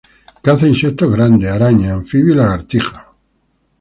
Caza insectos grandes, arañas, anfibios y lagartijas.